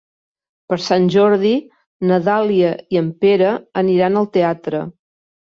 Per Sant Jordi na Dàlia i en Pere aniran al teatre.